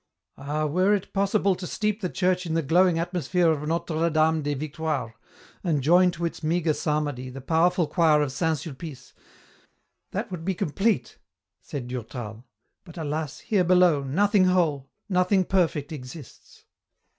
" Ah, were it possible to steep the church in the glowing atmosphere of Notre Dame des Victoires, and join to its meagre psalmody the powerful choir of St. Sulpice, that would be complete," said Durtal, " but alas, here below, nothing whole, nothing perfect exists